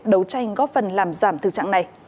đấu tranh góp phần làm giảm thư trạng này